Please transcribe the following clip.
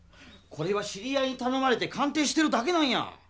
これは知り合いにたのまれて鑑定してるだけなんや！